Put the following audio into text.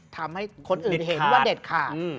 ทำให้คนอื่นเห็นว่าเด็ดขาด